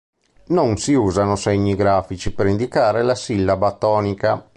Non si usano segni grafici per indicare la sillaba tonica.